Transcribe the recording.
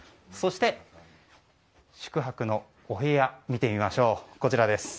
そして、宿泊のお部屋見てみましょう。